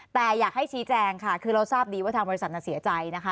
แต่อยากให้ชี้แจงค่ะคือเราทราบดีว่าทางบริษัทเสียใจนะคะ